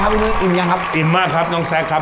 เป็นไงบ้างครับทุกคน